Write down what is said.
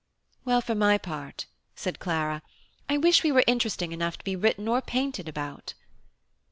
"Well, for my part," said Clara, "I wish we were interesting enough to be written or painted about."